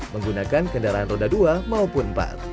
menggunakan kendaraan roda dua maupun empat